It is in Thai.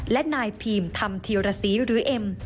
และนายพีมธรรมธีรสีหรือเอ็ม